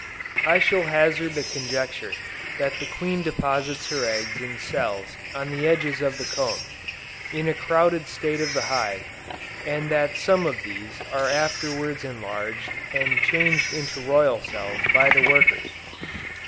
I shall hazard the conjecture that the queen deposits her eggs in cells on the edges of the comb, in a crowded state of the hive, and that some of these are afterwards enlarged and changed into royal cells by the workers.